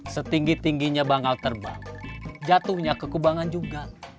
setinggi tingginya bangal terbang jatuhnya kekubangan juga